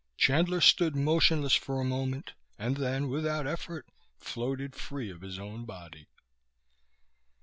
Chandler stood motionless for a moment and then, without effort, floated free of his own body.